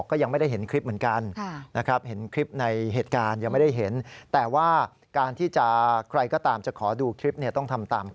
ก็นานหลายชั่วโมง